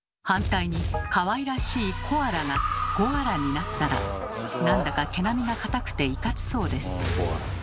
反対にかわいらしいコアラが「ゴアラ」になったらなんだか毛並みが硬くていかつそうです。